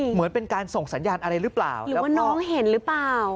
เหมือนเป็นการส่งสัญญาณอะไรหรือเปล่าหรือว่าน้องเห็นหรือเปล่า